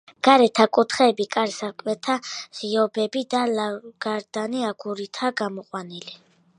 გარეთა კუთხეები, კარ-სარკმელთა ღიობები და ლავგარდანი აგურითაა გამოყვანილი.